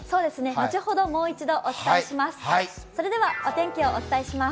後ほど、もう一度お伝えします。